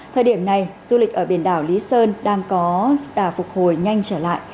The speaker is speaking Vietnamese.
thời điểm này du lịch ở biển đảo lý sơn đang có đà phục hồi nhanh trở lại